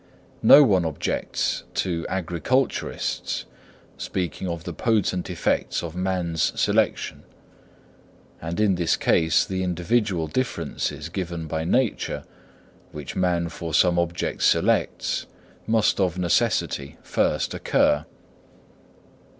No one objects to agriculturists speaking of the potent effects of man's selection; and in this case the individual differences given by nature, which man for some object selects, must of necessity first occur.